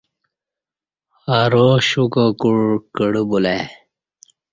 ارا شوکاکوع کڑہ بولہ ای